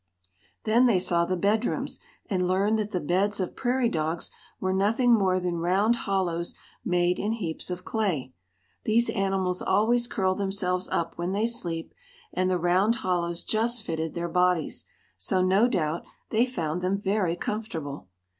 Then they saw the bedrooms, and learned that the beds of prairie dogs were nothing more than round hollows made in heaps of clay. These animals always curl themselves up when they sleep, and the round hollows just fitted their bodies; so, no doubt, they found them very comfortable.